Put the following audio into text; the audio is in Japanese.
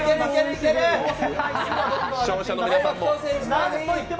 視聴者の皆さんも。